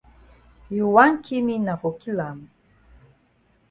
You wan ki me na for kill am.